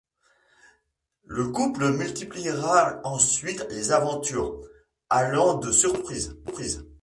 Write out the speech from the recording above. Le couple multipliera ensuite les aventures, allant de surprises en surprises.